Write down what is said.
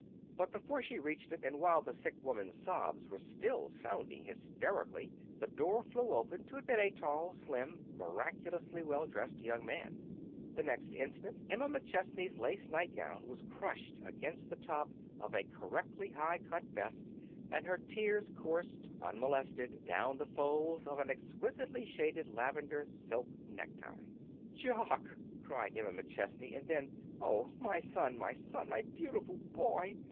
But before she reached it, and while the sick woman's sobs were still sounding hysterically the door flew open to admit a tall, slim, miraculously well dressed young man. The next instant Emma McChesney's lace nightgown was crushed against the top of a correctly high cut vest, and her tears coursed, unmolested, down the folds of an exquisitely shaded lavender silk necktie. "Jock!" cried Emma McChesney; and then, "Oh, my son, my son, my beautiful boy!"